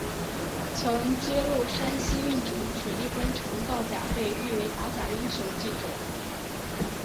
曾揭露山西运城水利工程造假被誉为打假英雄记者。